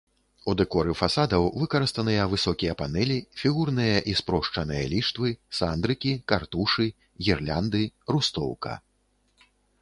У дэкоры фасадаў выкарыстаныя высокія панэлі, фігурныя і спрошчаныя ліштвы, сандрыкі, картушы, гірлянды, рустоўка.